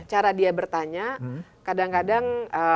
cara dia bertanya kadang kadang